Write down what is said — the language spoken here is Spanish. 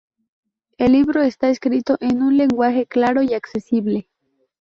El libro está escrito en un lenguaje claro y accesible.